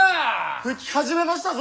吹き始めましたぞ！